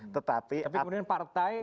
tetapi kemudian partai apa nih